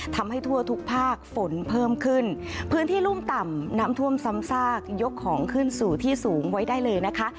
ทำให้ทั่วทุกภาคฝนเพิ่มขึ้นพื้นที่รุ่มต่ำน้ำท่วมซ้ำซากยกของขึ้นสู่ที่สูงไว้ได้เลยนะคะ